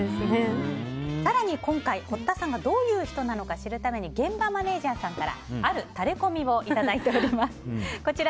更に今回、堀田さんがどういう人なのか知るために現場マネジャーさんからあるタレこみをいただいています。